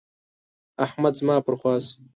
احمد زما پر خوا شو.